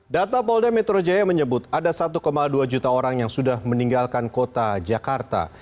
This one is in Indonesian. data polda metro jaya menyebut ada satu dua juta orang yang sudah meninggalkan kota jakarta